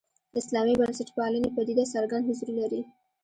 اسلامي بنسټپالنې پدیده څرګند حضور لري.